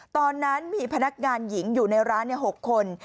ตอนนั้นมีพนักงานหญิงอยู่ในร้าน๖คน